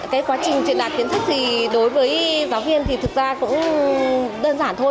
cái quá trình truyền đạt kiến thức thì đối với giáo viên thì thực ra cũng đơn giản thôi